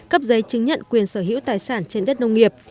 cấp giấy chứng nhận quyền sở hữu tài sản trên đất nông nghiệp